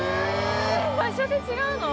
場所で違うの？